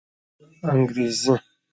انګرېزي